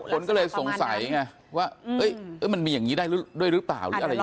คนก็เลยสงสัยไงว่ามันมีอย่างนี้ได้ด้วยหรือเปล่าหรืออะไรอย่างนี้